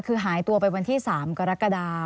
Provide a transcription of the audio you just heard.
คือหายตัวไปวันที่๓กรกฎา